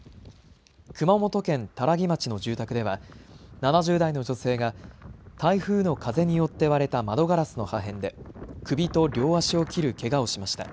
熊本県多良木町の住宅では７０代の女性が台風の風によって割れた窓ガラスの破片で首と両足を切るけがをしました。